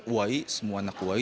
uai semua anak uai